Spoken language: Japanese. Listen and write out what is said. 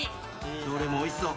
どれもおいしそう。